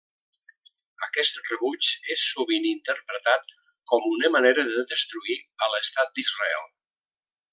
Aquest rebuig és sovint interpretat com una manera de destruir a l'Estat d'Israel.